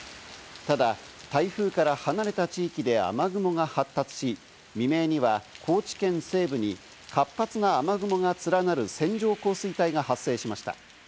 ただ台風から離れた地域で雨雲が発達し、未明には高知県西部に活発な雨雲が連なる線状降水帯が発生しました。